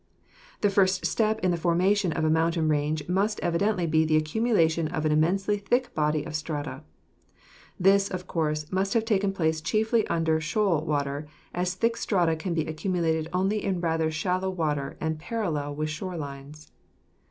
The first step in the formation of a mountain range must evidently be the accumulation of an immensely thick body of strata. This, of course, must have taken place chiefly under shoal water, as thick strata can be accumulated only in rather shallow water and parallel with shore lines.